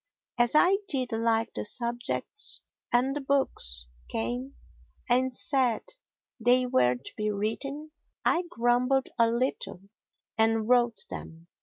As I did like the subjects and the books came and said they were to be written, I grumbled a little and wrote them.